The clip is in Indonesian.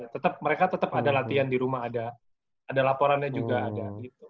tetep mereka tetep ada latihan di rumah ada laporannya juga ada